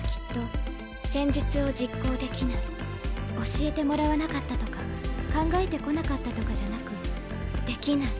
教えてもらわなかったとか考えてこなかったとかじゃなく「できない」。